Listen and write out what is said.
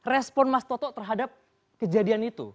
respon mas toto terhadap kejadian itu